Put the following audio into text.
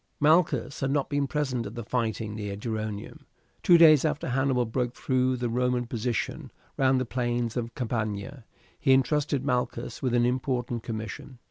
Malchus had not been present at the fighting near Geronium. Two days after Hannibal broke through the Roman positions round the plains of Campania he intrusted Malchus with an important commission.